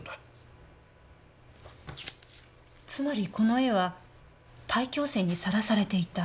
つまりこの絵は大気汚染にさらされていた。